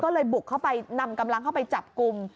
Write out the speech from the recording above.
ก็เลยบุกเข้าไปนำกำลังเข้าไปจับกลุ่ม